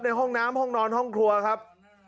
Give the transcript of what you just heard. ในห้องน้ำห้องนอนห้องครัวครับ